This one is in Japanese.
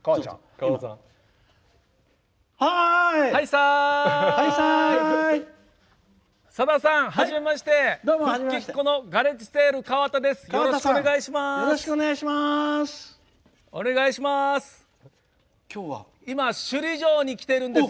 よろしくお願いします！